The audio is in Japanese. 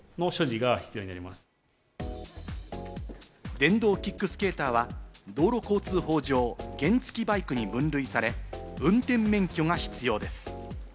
電動キックスケーターは道路交通法上、原付バイクに分類され、運転免許が必要です。